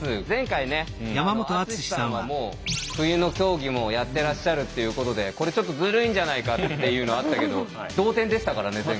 前回ね篤さんはもう冬の競技もやってらっしゃるっていうことでこれちょっとずるいんじゃないかっていうのあったけど同点でしたからね